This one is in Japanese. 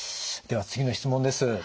では次の質問です。